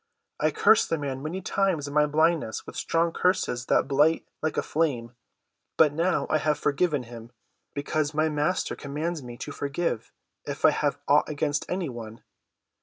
I cursed the man many times in my blindness with strong curses that blight like a flame. But now I have forgiven him, because my Master commands me to forgive if I have aught against any one.